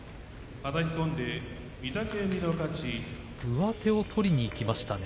上手を取りにいきましたね。